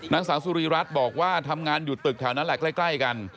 นางสาวสุรีรัฐบอกว่าทำงานอยู่ตึกแถวนั้นแหละใกล้กัน